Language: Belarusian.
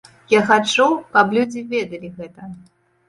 Я хачу, каб людзі ведалі гэта.